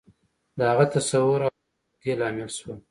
د هغه تصور او هوډ د دې لامل شول.